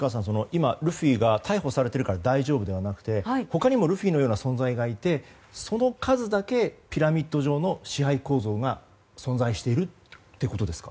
今、ルフィが逮捕されているから大丈夫ではなくて他にもルフィのような存在がいてその数だけピラミッド状の支配構造が存在しているということですか。